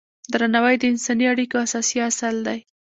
درناوی د انساني اړیکو اساسي اصل دی.